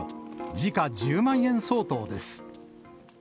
時価１０万円相当です。